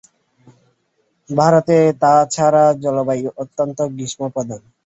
ভারতে তা ছাড়া, জলবায়ু অত্যন্ত গ্রীষ্মপ্রধান।